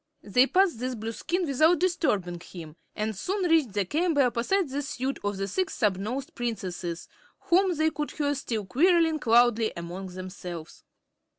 They passed this Blueskin without disturbing him and soon reached the chamber opposite the suite of the Six Snubnosed Princesses, whom they could hear still quarreling loudly among themselves.